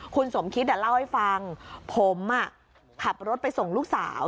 คุณสมคิตเล่าให้ฟังผมขับรถไปส่งลูกสาว